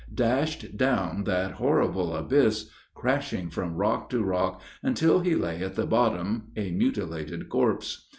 Dashed down that horrible abyss crashing from rock to rock, until he lay at the bottom a mutilated corpse.